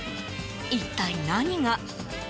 一体、何が？